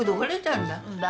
んだ。